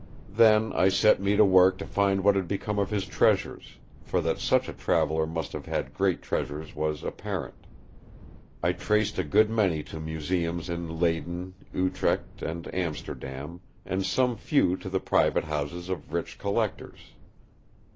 Then I set me to work to find what had become of his treasures; for that such a traveller must have had great treasures was apparent. I traced a good many to museums in Leyden, Utrecht, and Amsterdam; and some few to the private houses of rich collectors.